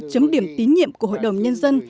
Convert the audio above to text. chấm điểm tín nhiệm của hội đồng nhân dân